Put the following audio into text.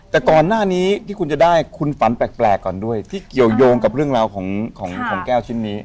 แต่ก่อนหน้านี้ที่คุณจะได้คุณฝันแปลกก่อนด้วยที่เกี่ยวยงกับเรื่องราวของแก้วชิ้นนี้